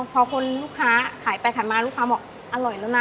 พอคนลูกค้าขายไปขายมาลูกค้าบอกอร่อยแล้วนะ